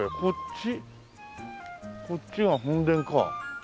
こっちが本殿か。